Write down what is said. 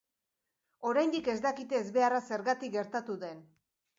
Oraindik ez dakite ezbeharra zergatik gertatu den.